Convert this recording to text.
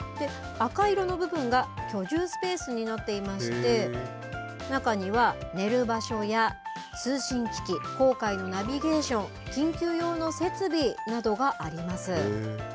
赤色の部分が居住スペースになっていまして、中には寝る場所や通信機器、航海のナビゲーション、緊急用の設備などがあります。